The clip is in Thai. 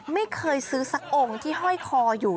ไม่เคยซื้อสักองค์ที่ห้อยคออยู่